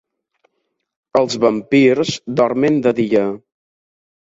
Els vampirs dormen de dia.